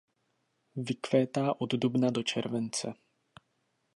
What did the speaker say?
Vykvétá od dubna do července.